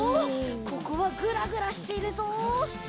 ここはグラグラしているぞ！